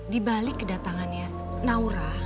dibalik kedatangannya naura